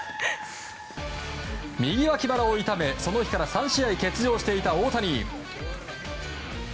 右脇腹を痛め、その日から３試合欠場していた大谷。